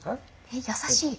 え優しい！